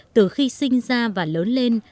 từ khi sinh ra và lớn lên